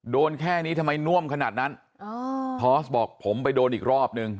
โดนแค่นี้ทำไมน่วมขนาดนั้นอ๋อทอสบอกผมไปโดนอีกรอบนึง